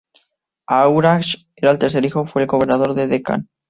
Aurangzeb, el tercer hijo, fue el gobernador de Decán.